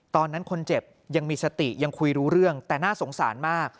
ตอนนั้นคนเจ็บยังมีสติยังคุยรู้เรื่องแต่น่าสงสารมาก